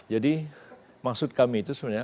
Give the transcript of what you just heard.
jadi maksud kami itu sebenarnya